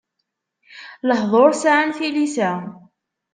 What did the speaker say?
Lehduṛ sɛan tilisa.